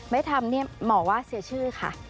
ไม่ทำเนี่ยหมอว่าเสียชื่อค่ะ